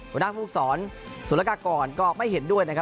บรรดาภูกษรสุรกากรก็ไม่เห็นด้วยนะครับ